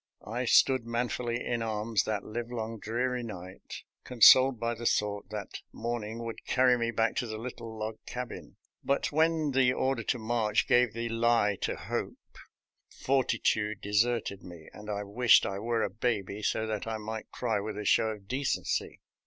I stood man fully in arms that livelong, dreary night, con soled by the thought that morning would carry me back to the little log cabin; but when the order to march gave the lie to hope, fortitude deserted me, and I wished I were a baby, so that I might cry with a show of decency.